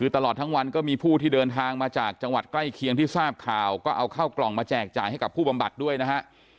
ตลอดทั้งวันก็มีผู้ที่เดินทางมาจากจังหวัดใกล้เคียงที่ทราบข่าวก็เอาเข้ากล่องมาแจกจ่ายให้กับผู้บำบัดด้วยนะฮะ